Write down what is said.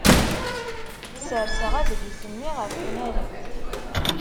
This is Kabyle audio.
Sserseɣ adlis-nni ɣef tnarit.